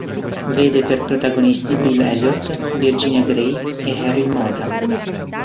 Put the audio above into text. Vede per protagonisti Bill Elliott, Virginia Grey e Harry Morgan.